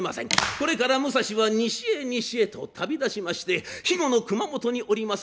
これから武蔵は西へ西へと旅立ちまして肥後の熊本におります